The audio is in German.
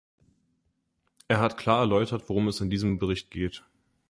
Er hat klar erläutert, worum es in diesem Bericht geht.